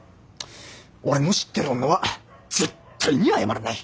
俺の知ってる女は絶対に謝らない。